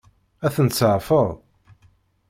Ad ten-tseɛfeḍ?